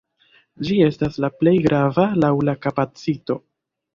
Ĝi estas la plej grava laŭ la kapacito.